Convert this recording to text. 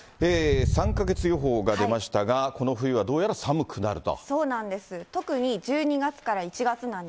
３か月予報が出ましたが、この冬はどうやら寒くなると。